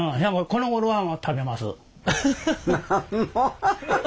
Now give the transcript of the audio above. このごろは食べます。